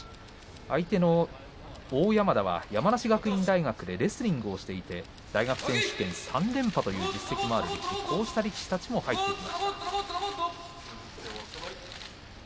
相手の欧山田が山梨学院大学でレスリングをしていて大学選手権３連覇という実力のある力士も入ってきました。